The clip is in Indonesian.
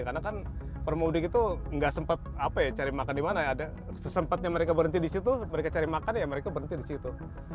karena kan para pemudik itu nggak sempat cari makan dimana sesempatnya mereka berhenti di situ mereka cari makan ya mereka berhenti di situ